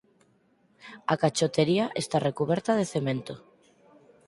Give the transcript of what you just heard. A cachotería está recuberta de cemento.